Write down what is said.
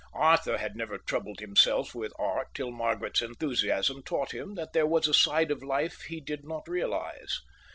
Arthur had never troubled himself with art till Margaret's enthusiasm taught him that there was a side of life he did not realize.